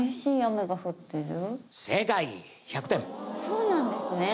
そうなんですね